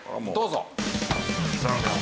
どうぞ。